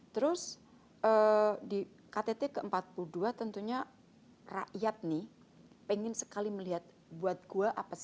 terus di ktt ke empat puluh dua tentunya rakyat nih pengen sekali melihat buat gue apa sih